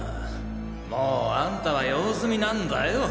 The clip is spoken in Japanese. もうあんたは用済みなんだよ。